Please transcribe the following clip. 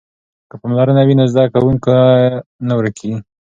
که پاملرنه وي نو زده کوونکی نه ورکیږي.